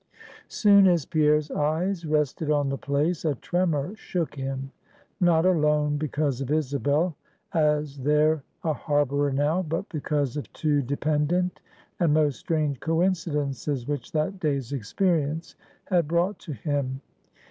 Soon as Pierre's eye rested on the place, a tremor shook him. Not alone because of Isabel, as there a harborer now, but because of two dependent and most strange coincidences which that day's experience had brought to him.